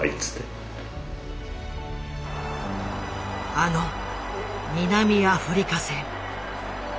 あの南アフリカ戦。